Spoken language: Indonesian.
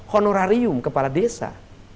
honorarium kepala desa